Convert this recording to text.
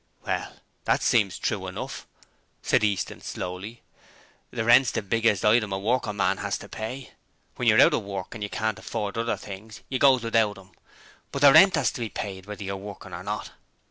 'Well, that seems true enough,' said Easton, slowly. 'The rent's the biggest item a workin' man's got to pay. When you're out of work and you can't afford other things, you goes without 'em, but the rent 'as to be paid whether you're workin' or not.'